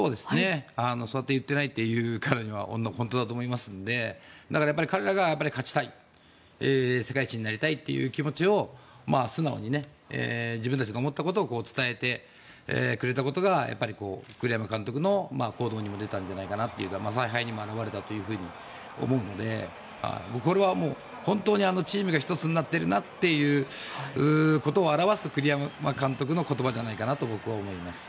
そうやって言ってないというからには本当だと思いますので彼らが勝ちたい世界一になりたいという気持ちを素直に、自分たちが思ったことを伝えてくれたことが栗山監督の行動にも出たんじゃないかなというか采配にも表れたんだと思うのでこれは本当にチームが一つになっているなということを表す栗山監督の言葉じゃないかなと僕は思います。